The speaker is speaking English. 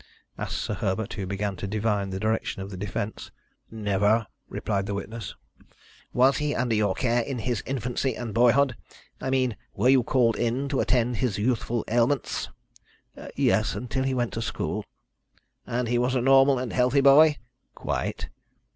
asked Sir Herbert, who began to divine the direction of the defence. "Never," replied the witness. "Was he under your care in his infancy and boyhood? I mean were you called in to attend to his youthful ailments?" "Yes, until he went to school." "And was he a normal and healthy boy?" "Quite."